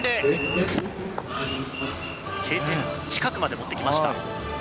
Ｋ点近くまで持ってきました。